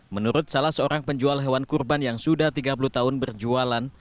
menurut salah seorang penjual hewan kurban yang sudah tiga puluh tahun berjualan